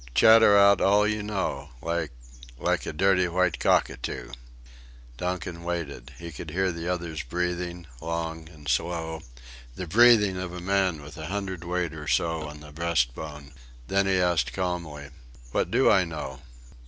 Chatter out all you know like... like a dirty white cockatoo." Donkin waited. He could hear the other's breathing, long and slow; the breathing of a man with a hundredweight or so on the breastbone. Then he asked calmly: "What do I know?"